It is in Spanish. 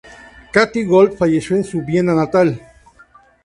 Käthe Gold falleció en su Viena natal.